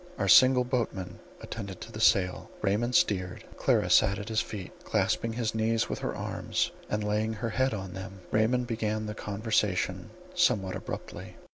Our single boatman attended to the sail; Raymond steered; Clara sat at his feet, clasping his knees with her arms, and laying her head on them. Raymond began the conversation somewhat abruptly.